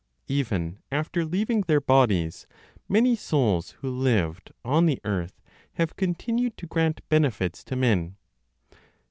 Even after leaving their bodies, many souls who lived on the earth have continued to grant benefits to men.